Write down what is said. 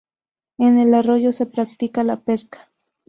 En el arroyo se practica la pesca.